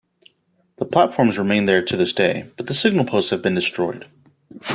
The platforms remain there to this day, but the signal posts have been destroyed.